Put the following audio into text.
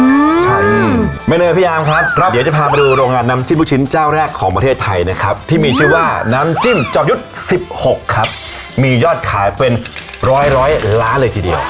ใช่ไม่เลยพี่อาร์มครับครับเดี๋ยวจะพาไปดูโรงงานน้ำจิ้มลูกชิ้นเจ้าแรกของประเทศไทยนะครับที่มีชื่อว่าน้ำจิ้มจอบยุทธ์๑๖ครับมียอดขายเป็นร้อยร้อยล้านเลยทีเดียว